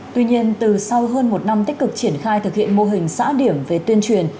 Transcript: tuy nhiên từ sau hơn một năm tích cực triển khai thực hiện mô hình xã điểm về tuyên truyền